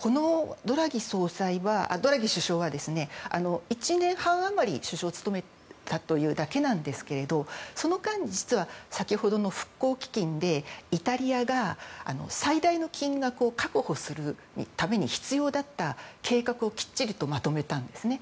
このドラギ首相は１年半余り首相を務めたというだけなんですがその間に、実は先ほどの復興基金でイタリアが最大の金額を確保するために必要だった計画をきっちりとまとめたんですね。